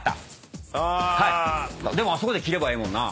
でもあそこで切ればええもんな。